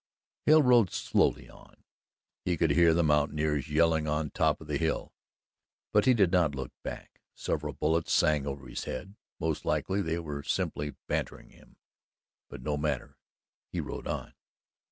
Hale rode slowly on. He could hear the mountaineers yelling on top of the hill, but he did not look back. Several bullets sang over his head. Most likely they were simply "bantering" him, but no matter he rode on.